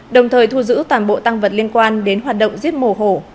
đồng thời thu giữ toàn bộ tăng vật liên quan đến hoạt động giết mổ hổ